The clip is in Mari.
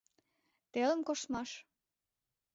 ТЕЛЫМ КОШТМАШ